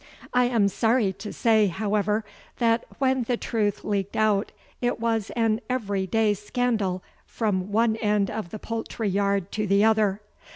I am sorry to say, however, that when the truth leaked out it was an every day scandal from one end of the poultry yard to the other.